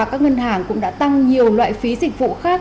các ngân hàng cũng đã tăng nhiều loại phí dịch vụ khác